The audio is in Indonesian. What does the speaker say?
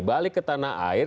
balik ke tanah air